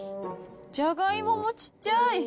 じゃがいももちっちゃい。